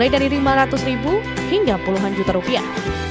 mulai dari lima ratus ribu hingga puluhan juta rupiah